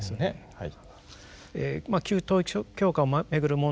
はい。